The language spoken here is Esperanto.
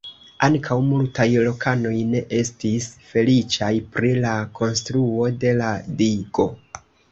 Ankaŭ multaj lokanoj ne estis feliĉaj pri la konstruo de la digo.